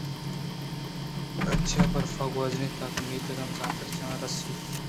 آچہ برفاں گوٛزاں تاں کہ میتگ ءِ مسافر جاہ ءَ رست اَنت